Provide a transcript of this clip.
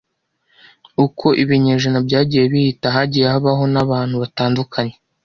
Uko ibinyejana byagiye bihita, hagiye habaho n’abantu batandukanye